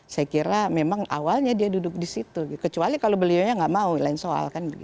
saya kira memang awalnya dia duduk di situ kecuali kalau beliaunya nggak mau lain soal